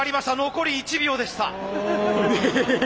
残り１秒でした。